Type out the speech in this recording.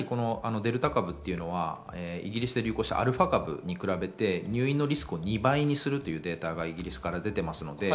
デルタ株っていうのはイギリスで流行したアルファ株に比べて入院のリスクを２倍にするというデータが出ています。